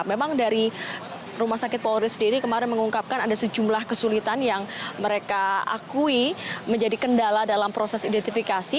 memang dari rumah sakit polri sendiri kemarin mengungkapkan ada sejumlah kesulitan yang mereka akui menjadi kendala dalam proses identifikasi